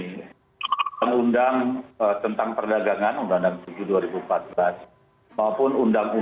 undang undang tentang perdagangan undang undang tujuh dua ribu empat belas